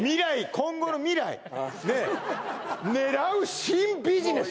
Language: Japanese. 今後の未来ねえ狙う新ビジネス